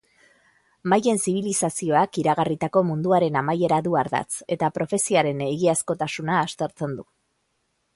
Maien zibilizazioak iragarritako munduaren amaiera du ardatz, eta profeziaren egiazkotasuna aztertzen du.